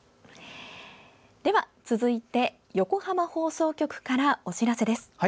では、続いて横浜放送局からお知らせです。